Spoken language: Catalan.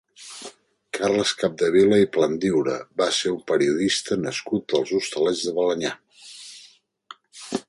Carles Capdevila i Plandiura va ser un periodista nascut als Hostalets de Balenyà.